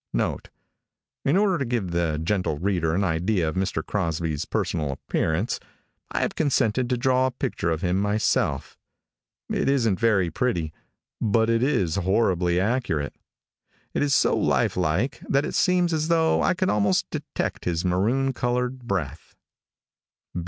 [Note. In order to give the gentle reader an idea of Mr. Crosby's personal appearance, I have consented to draw a picture of him myself. It isn't very pretty, but it is horribly accurate. It is so life like, that it seems as though I could almost detect his maroon colored breath.